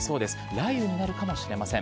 雷雨になるかもしれません。